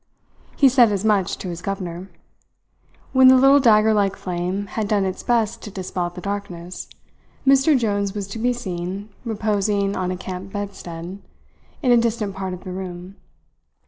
He said as much to his governor. When the little dagger like flame had done its best to dispel the darkness, Mr. Jones was to be seen reposing on a camp bedstead, in a distant part of the room.